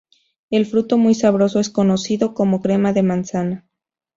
El fruto, muy sabroso, es conocido como "crema de manzana".